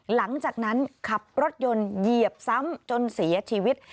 หลังจากนั้นขับรถยนต์เหยียบซ้ำจนเสียชีวิต